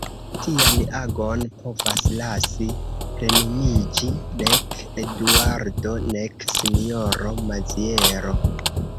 Tian agon povas lasi plenumiĝi nek Eduardo nek sinjoro Maziero.